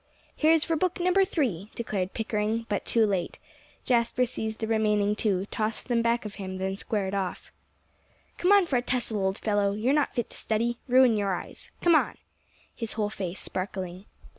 "Here's for book number three," declared Pickering but too late. Jasper seized the remaining two, tossed them back of him, then squared off. "Come on for a tussle, old fellow. You're not fit to study ruin your eyes. Come on!" his whole face sparkling.